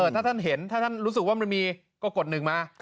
ถ้าท่านเห็นถ้าท่านรู้สึกว่ามันมีก็กฎหนึ่งมา